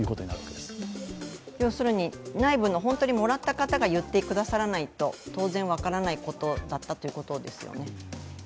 要するに内部のもらった方が言ってくださらないと当然分からないことだったということですよね。